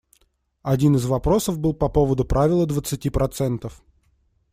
Один из вопросов был по поводу правила двадцати процентов.